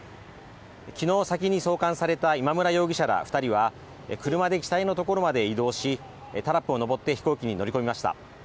昨日先に送還された今村容疑者ら２人は、車で機体のところまで移動しタラップを登って飛行機に乗り込みました。